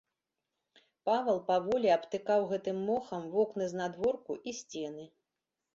Павал паволі абтыкаў гэтым мохам вокны знадворку і сцены.